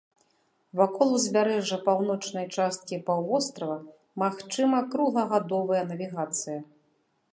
Вакол узбярэжжа паўночнай часткі паўвострава магчыма круглагадовая навігацыя.